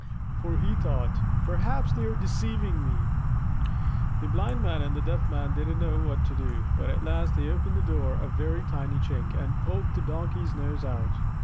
(For he thought: "Perhaps they are deceiving me.") The Blind Man and the Deaf Man didn't know what to do; but at last they opened the door a very tiny chink and poked the Donkey's nose out.